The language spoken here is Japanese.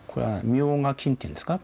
冥加金っていうんですか？